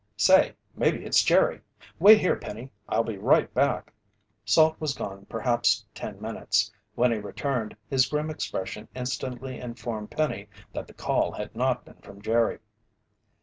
"Say, maybe it's Jerry! Wait here, Penny. I'll be right back." Salt was gone perhaps ten minutes. When he returned, his grim expression instantly informed Penny that the call had not been from Jerry.